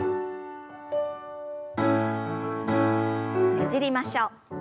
ねじりましょう。